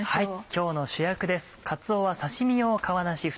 今日の主役です。